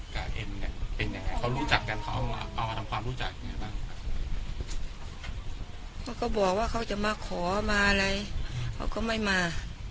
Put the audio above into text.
เขาก็บอกว่าเขาจะมาขอมาเลยเขาก็ไม่มา